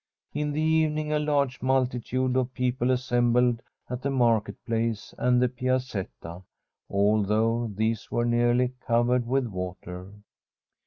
In the evening a large multi tude of people assembled at the Market Place and the Piazetta, although these were nearly covered with water.